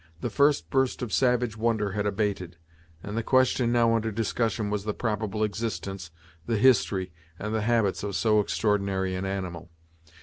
The first burst of savage wonder had abated, and the question now under discussion was the probable existence, the history and the habits of so extraordinary an animal.